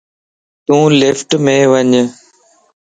تون لفٽم وڃ